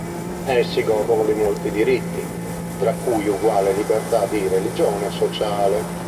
Essi godono di molti diritti, tra cui uguale libertà di religione e sociale.